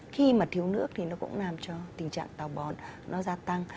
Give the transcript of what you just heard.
khi mà thiếu nước thì nó cũng làm cho tình trạng tào bón nó gia tăng